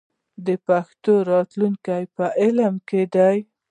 د پښتو راتلونکی په علم کې دی.